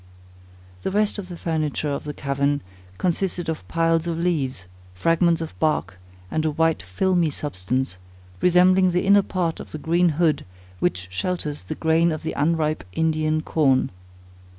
The rest of the furniture of the cavern consisted of piles of leaves, fragments of bark, and a white filmy substance, resembling the inner part of the green hood which shelters the grain of the unripe Indian corn.